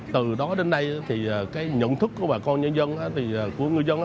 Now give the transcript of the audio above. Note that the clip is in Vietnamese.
từ đó đến nay nhận thức của bà con nhân dân của người dân